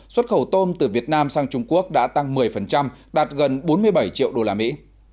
xuất khẩu tôm từ việt nam sang trung quốc đã tăng một mươi đạt gần bốn mươi bảy triệu đô la mỹ